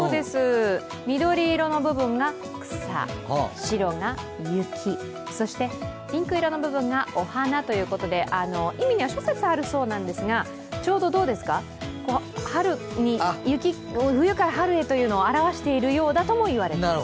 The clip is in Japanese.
緑色の部分が草、白が雪、そしてピンク色の部分がお花ということで、意味には諸説あるそうなんですがちょうど冬から春へっていうのを表してるともいわれると。